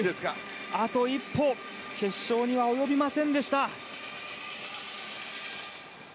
あと一歩決勝には及びませんでした。